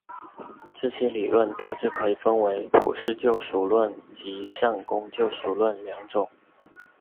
这些理论大致可以分为普世救赎论及善功救赎论两种。